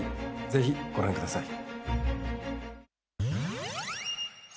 ぜひ、ご覧ください。